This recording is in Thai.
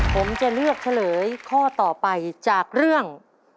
ผมจะเลือกเฉลยข้อต่อไปจากเรื่อง